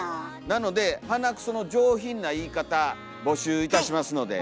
なので「鼻くそ」の上品な言い方募集いたしますので。